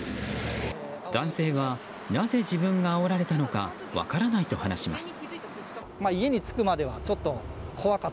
男性はなぜ自分があおられたのか分からないと話します。